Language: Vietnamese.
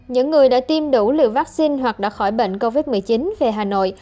những người đã tiêm đủ liều vaccine hoặc đã khỏi bệnh covid một mươi chín về hà nội